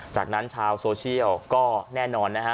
จากนั้นชาวโซเชียลก็แน่นอนนะฮะ